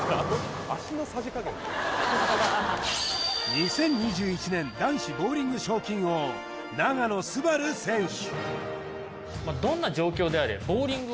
２０２１年男子ボウリング賞金王永野すばる選手